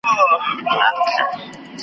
ما مې د خپل زړۀ پۀ کنډر کې پرېږده